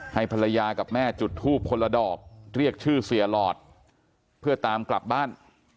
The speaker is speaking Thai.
ให้ภรรยากับแม่จุดทูบคนละดอกเรียกชื่อเสียหลอดเพื่อตามกลับบ้าน